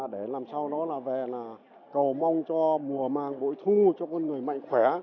để làm sao nó là về là cầu mong cho mùa màng bội thu cho con người mạnh khỏe